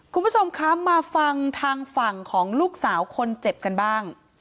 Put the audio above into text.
คุณผู้ชมคะมาฟังทางฝั่งของลูกสาวคนเจ็บกันบ้าง